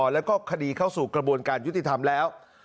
แล้วก็คดีเข้าสู่กระบวนการยุติธรรมแล้ว